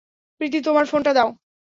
প্রীতি তোমার ফোনটা দাও!